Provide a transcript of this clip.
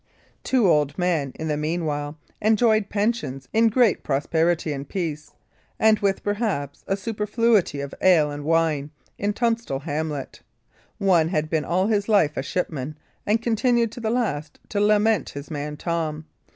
Two old men in the meanwhile enjoyed pensions in great prosperity and peace, and with perhaps a superfluity of ale and wine, in Tunstall hamlet. One had been all his life a shipman, and continued to the last to lament his man Tom.